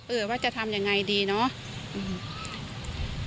เออว่าจะทำยังไงดีเนาะ